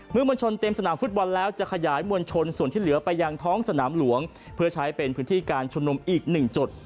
มวลชนเต็มสนามฟุตบอลแล้วจะขยายมวลชนส่วนที่เหลือไปยังท้องสนามหลวงเพื่อใช้เป็นพื้นที่การชุมนุมอีกหนึ่งจุด